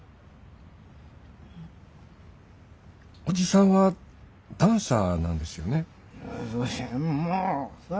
伯父さんはダンサーなんですよね？